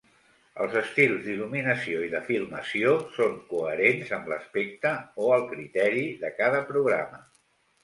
Els estils d'il·luminació i de filmació són coherents amb l'"aspecte" o el criteri de cada programa.